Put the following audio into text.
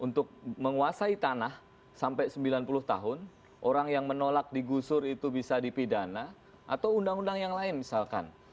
untuk menguasai tanah sampai sembilan puluh tahun orang yang menolak digusur itu bisa dipidana atau undang undang yang lain misalkan